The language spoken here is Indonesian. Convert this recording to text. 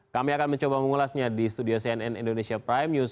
kami akan mencoba mengulasnya di studio cnn indonesia prime news